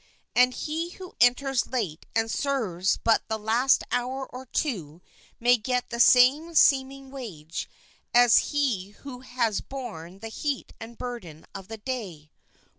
And he who enters late and serves but the last hour or two may get the same seeming wage as he who has borne the heat and burden of the day.